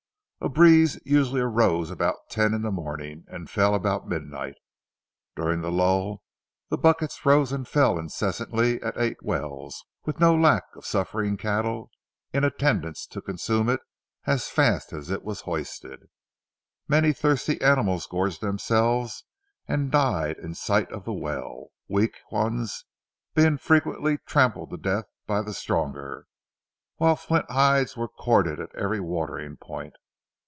A breeze usually arose about ten in the morning and fell about midnight. During the lull the buckets rose and fell incessantly at eight wells, with no lack of suffering cattle in attendance to consume it as fast as it was hoisted. Many thirsty animals gorged themselves, and died in sight of the well; weak ones being frequently trampled to death by the stronger, while flint hides were corded at every watering point.